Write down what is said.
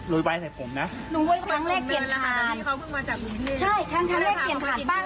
พี่ประชีหน้าหนูทำไมอ่ะ